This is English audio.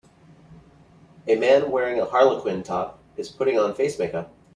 A man wearing a harlequin top is putting on face makeup.